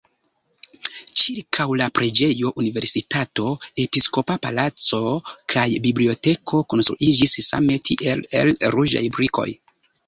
Ĉirkaŭ la preĝejo universitato, episkopa palaco kaj biblioteko konstruiĝis same tiel el ruĝaj brikoj.